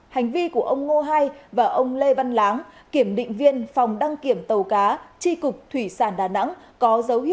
hành vi của ông ngô hai và ông lê văn láng kiểm định viên phòng đăng kiểm tàu cá chi cục thủy sản đà nẵng